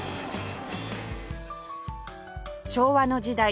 昭和の時代